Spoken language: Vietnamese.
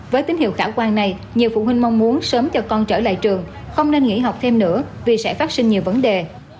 với tín hiệu khả quan này nhiều phụ huynh mong muốn sớm cho con trở lại trường không nên nghỉ học thêm nữa vì sẽ phát sinh nhiều vấn đề